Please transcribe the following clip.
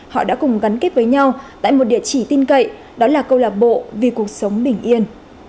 họ đã cùng gắn kết với nhau tại một địa chỉ tin cậy đó là câu lạc bộ vì cuộc sống bình yên